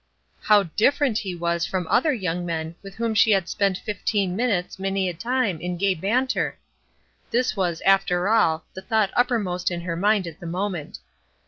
How different he was from other young men with whom she had spent fifteen minutes many a time in gay banter! This was, after all, the thought uppermost in her mind at the moment.